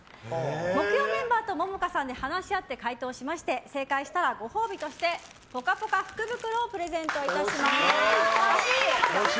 木曜メンバーと桃花さんで話し合って解答しまして正解したら、ご褒美としてぽかぽか福袋をプレゼントいたします。